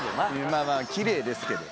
まあまあ奇麗ですけど。